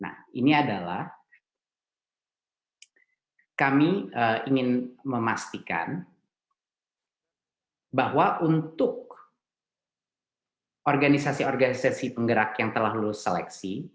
nah ini adalah kami ingin memastikan bahwa untuk organisasi organisasi penggerak yang telah lulus seleksi